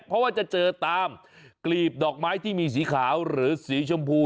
เพราะว่าจะเจอตามกลีบดอกไม้ที่มีสีขาวหรือสีชมพู